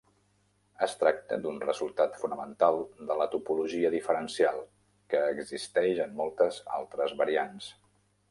Es tracta d'un resultat fonamental de la topologia diferencial, que existeix en moltes altres variants.